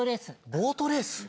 ボートレース？